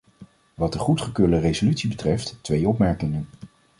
Wat de goedgekeurde resolutie betreft, twee opmerkingen.